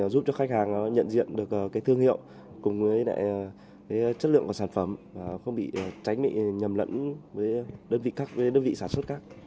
giúp cho khách hàng nhận diện được thương hiệu cùng với chất lượng của sản phẩm không bị tránh bị nhầm lẫn với đơn vị sản xuất khác